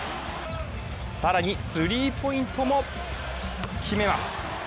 更にスリーポイントも決めます。